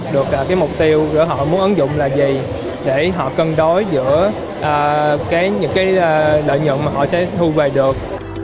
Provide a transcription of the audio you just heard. được cái mục tiêu họ muốn ứng dụng là gì để họ cân đối giữa những cái lợi nhuận mà họ sẽ thu về được